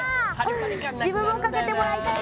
自分もかけてもらいたい。